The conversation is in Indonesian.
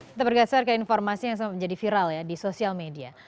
kita bergeser ke informasi yang menjadi viral ya di sosial media